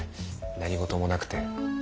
何事もなくて。